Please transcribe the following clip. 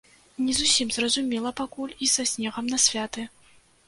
Не зусім зразумела пакуль і са снегам на святы.